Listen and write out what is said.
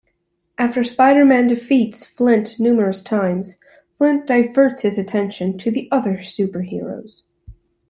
After Spider-Man defeats Flint numerous times, Flint diverts his attention to other super heroes.